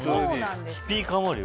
スピーカーもあるよ。